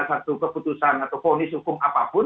satu keputusan atau ponis hukum